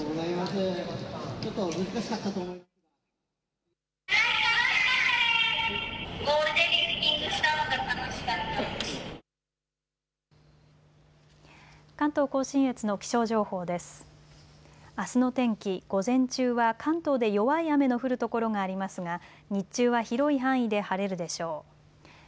あすの天気、午前中は関東で弱い雨の降る所がありますが日中は広い範囲で晴れるでしょう。